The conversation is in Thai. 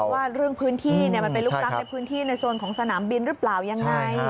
ว่าเรื่องพื้นที่มันไปลุกล้ำในพื้นที่ในโซนของสนามบินหรือเปล่ายังไง